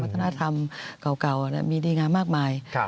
ธรรมเก่ามีดีงามมากมาย